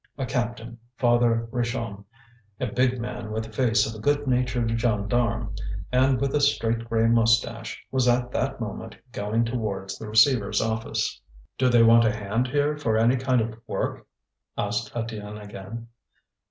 A captain, Father Richomme, a big man with the face of a good natured gendarme, and with a straight grey moustache, was at that moment going towards the receiver's office. "Do they want a hand here for any kind of work?" asked Étienne again.